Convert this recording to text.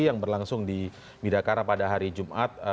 yang berlangsung di bidakara pada hari jumat